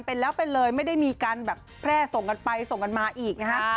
เป็นแล้วเป็นเลยไม่ได้มีการแบบแพร่ส่งกันไปส่งกันมาอีกนะฮะ